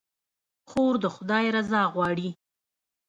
خور د خدای رضا غواړي.